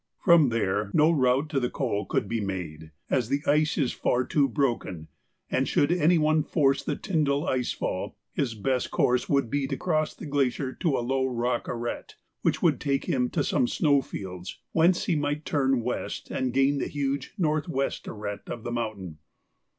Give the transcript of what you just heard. From there no route to the col could be made, as the ice is far too broken, and should any one force the Tyndall ice fall his best course would be to cross the glacier to a low rock arête, which would take him to some snow fields whence he might turn west and gain the huge north west arête of the mountain.